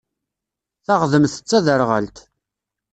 Taɣdemt d taderɣalt.